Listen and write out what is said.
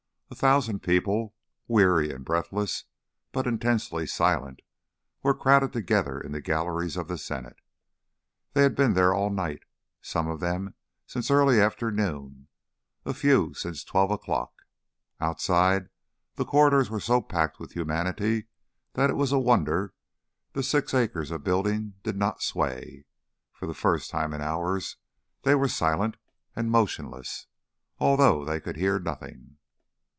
A thousand people, weary and breathless but intensely silent, were crowded together in the galleries of the Senate. They had been there all night, some of them since early afternoon, a few since twelve o'clock. Outside, the corridors were so packed with humanity that it was a wonder the six acres of building did not sway. For the first time in hours they were silent and motionless, although they could hear nothing.